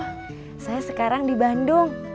oh saya sekarang di bandung